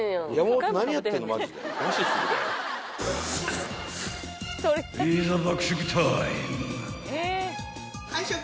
［いざ爆食タイム］